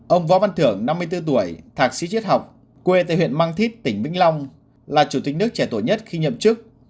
ông võ văn thưởng năm mươi bốn tuổi thạc sĩ chiết học quê tại huyện mang thít tỉnh vĩnh long là chủ tịch nước trẻ tuổi nhất khi nhậm chức